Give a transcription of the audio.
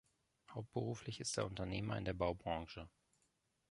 Hauptberuflich ist er Unternehmer in der Baubranche.